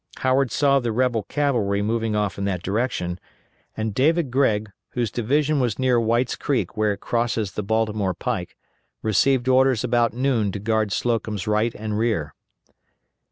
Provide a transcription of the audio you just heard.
Howard saw the rebel cavalry moving off in that direction, and David McM. Gregg, whose division was near White's Creek where it crosses the Baltimore pike, received orders about noon to guard Slocum's right and rear.